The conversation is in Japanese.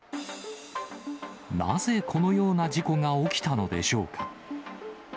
なぜこのような事故が起きたのでしょうか。